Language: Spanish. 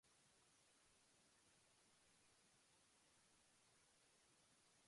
Muñoz fue el más destacado periodista deportivo radial argentino.